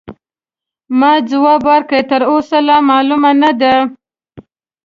ما ځواب ورکړ: تراوسه لا معلومه نه ده.